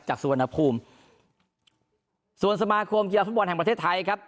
สุวรรณภูมิส่วนสมาคมกีฬาฟุตบอลแห่งประเทศไทยครับ